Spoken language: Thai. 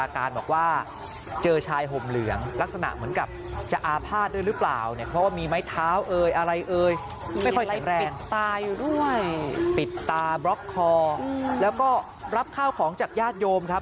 ปิดตาปิดตาบล็อกคอแล้วก็รับข้าวของจากญาติโยมครับ